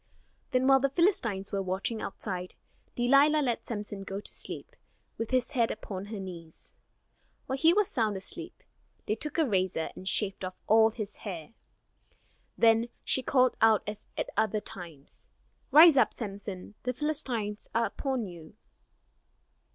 Then while the Philistines were watching outside, Delilah let Samson go to sleep, with his head upon her knees. While he was sound asleep, they took a razor and shaved off all his hair. Then she called out as at other times. "Rise up, Samson, the Philistines are upon you."